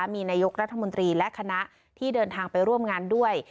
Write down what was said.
มีนายกรัฐมนตรีและคณะที่เดินทางไปร่วมงานด้วย